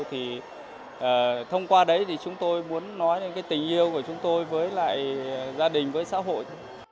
thông qua đấy chúng tôi muốn nói đến tình yêu của chúng tôi với gia đình với xã hội